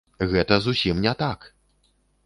Гэта зусім не так!